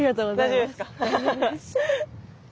大丈夫です。